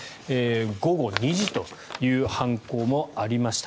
午後２時という犯行もありました。